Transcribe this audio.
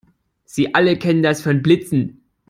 Sie alle kennen das von Blitzen.